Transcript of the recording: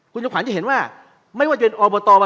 คุณจำขวัญจะเห็นว่าไม่ว่าจะเป็นอบตมา